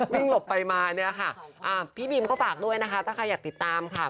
หลบไปมาเนี่ยค่ะพี่บีมก็ฝากด้วยนะคะถ้าใครอยากติดตามค่ะ